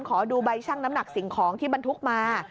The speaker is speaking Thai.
ขอดูใบชั่งน้ำหนักสิ่งของที่บรรทุกมา